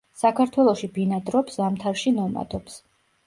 საქართველოში ბინადრობს, ზამთარში ნომადობს.